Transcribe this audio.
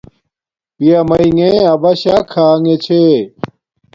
پیا میݣے اباشا کھانݣے چھے